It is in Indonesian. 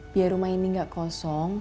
biar rumah ini nggak kosong